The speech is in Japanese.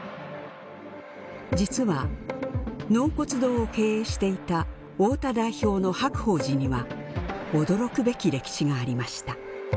実は納骨堂を経営していた太田代表の白鳳寺には驚くべき歴史がありました。